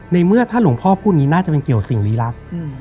ในเมื่อถ้าหลวงพ่อพูดนี้น่าจะเป็นเกี่ยวสิ่งลี้ลับ